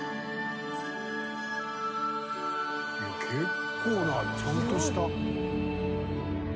結構なちゃんとした。